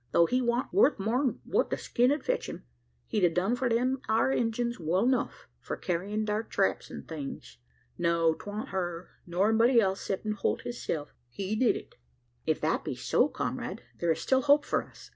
Tho' he wan't worth more'n what the skin 'ud fetch, he'd adone for them ar Injuns well enuf, for carryin' thar traps an' things. No, 'twan't her, nor anybody else 'ceptin' Holt hisself he did it?" "If that be so, comrade, there is still hope for us.